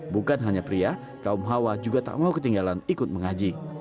bukan hanya pria kaum hawa juga tak mau ketinggalan ikut mengaji